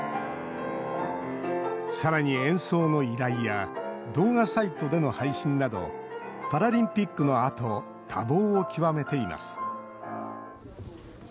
さらに、演奏の依頼や動画サイトでの配信などパラリンピックのあと多忙を極めています。